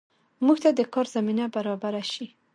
موږ ته د کار زمینه برابره شي